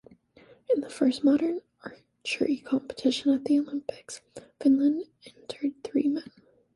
In the first modern archery competition at the Olympics, Finland entered three men.